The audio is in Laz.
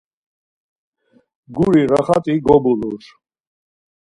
Guri raxat gobulur.